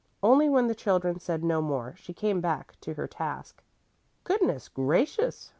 Only when the children said no more she came back to her task. "Goodness gracious!"